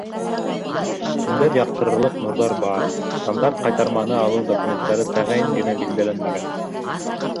Төндәр яҡтырырлыҡ нурҙар бар. Стандарт ҡайтарманы алыу документтары тәғәйен генә билдәләнмәгән.